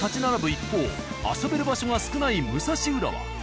一方遊べる場所が少ない武蔵浦和。